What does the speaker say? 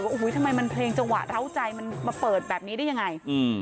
อุ้ยทำไมมันเพลงจังหวะร้าวใจมันมาเปิดแบบนี้ได้ยังไง